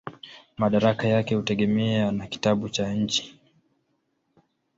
Madaraka yake hutegemea na katiba ya nchi.